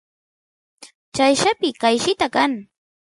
chayllapi qayllita kan